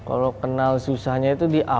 kalau kenal susahnya itu di awal